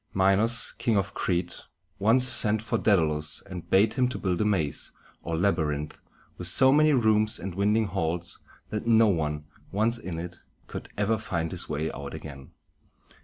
Minos, King of Crete, once sent for Dædalus, and bade him build a maze, or labyrinth, with so many rooms and winding halls, that no one, once in it, could ever find his way out again.